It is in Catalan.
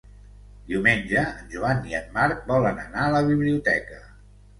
Diumenge en Joan i en Marc volen anar a la biblioteca.